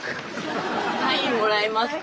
サインもらえますか？